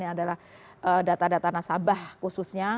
ini adalah data data nasabah khususnya